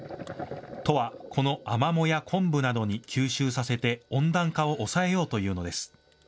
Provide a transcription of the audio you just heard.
都はこのアマモや昆布などに吸収させて温暖化を抑えようというのです。